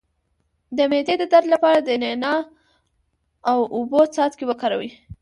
د معدې د درد لپاره د نعناع او اوبو څاڅکي وکاروئ